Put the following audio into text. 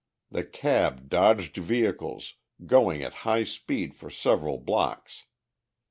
The cab dodged vehicles, going at high speed for several blocks.